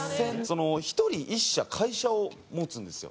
１人１社会社を持つんですよ。